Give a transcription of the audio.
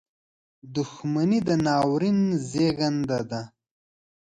• دښمني د ناورین زیږنده ده.